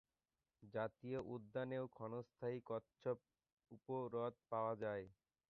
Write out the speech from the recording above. জাতীয় উদ্যানেও ক্ষণস্থায়ী কচ্ছপ উপহ্রদ পাওয়া যায়।